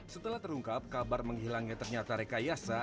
setelah terungkap kabar menghilangnya ternyata rekayasa